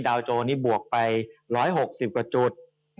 โจนี่บวกไป๑๖๐กว่าจุด